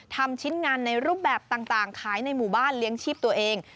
ทำชิ้นงานในรูปแบบต่างขายในหมู่บ้านเลี้ยงชีพตัวเอง